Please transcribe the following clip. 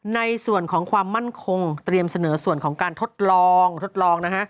ในส่วนของความมั่นคงเตรียมเสนอส่วนของการทดลองทดลองนะฮะ